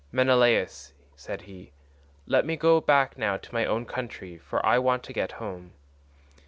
"Menelaus," said he, "let me go back now to my own country, for I want to get home."